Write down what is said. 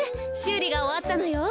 うりがおわったのよ。